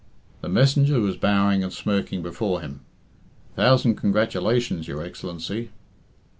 The messenger was bowing and smirking before him. "Thousand congratulations, your Excellency!"